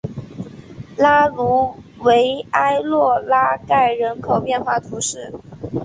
拉卢维埃洛拉盖人口变化图示